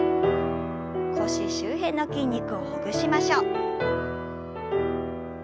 腰周辺の筋肉をほぐしましょう。